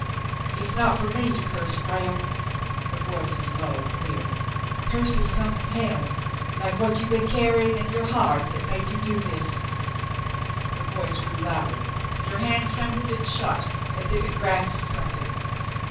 "It's not for me to curse, Frale." Her voice was low and clear. "Curses come from hell, like what you been carrying in your heart that made you do this." Her voice grew louder, and her hand trembled and shut as if it grasped something.